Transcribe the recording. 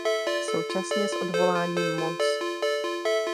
Současně s odvoláním Mons.